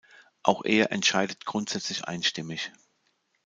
Auch er entscheidet grundsätzlich einstimmig.